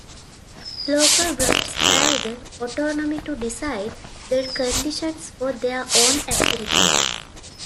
Local branches have the autonomy to decide the conditions for their own activities.